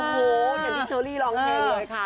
โอ้โหอยากที่เชอรี่ลองแพงเลยค่ะ